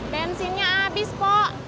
bensinnya abis pok